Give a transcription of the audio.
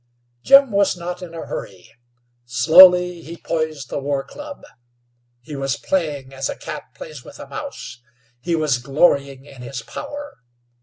Jim was not in a hurry. Slowly he poised the war club. He was playing as a cat plays with a mouse; he was glorying in his power.